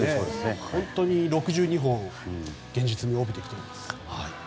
本当に６２本が現実味を帯びてきていますよね。